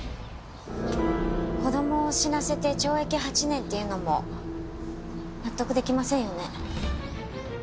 子供を死なせて懲役８年っていうのも納得できませんよね？